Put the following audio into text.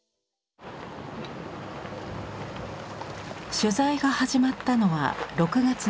取材が始まったのは６月の初め。